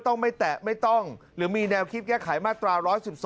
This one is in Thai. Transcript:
ต้องไม่แตะไม่ต้องหรือมีแนวคิดแก้ไขมาตรา๑๑๒